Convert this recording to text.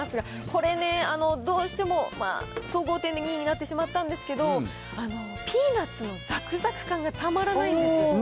これね、どうしても総合点で２位になってしまったんですけど、ピーナッツのざくざく感がたまらないんです。